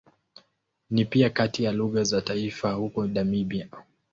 Ni pia kati ya lugha za taifa huko Namibia.